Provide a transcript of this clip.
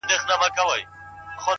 نیکي خاموشه خو تلپاتې اغېز لري